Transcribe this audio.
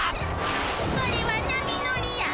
それは波乗りや。